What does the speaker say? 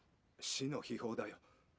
死の秘宝だよ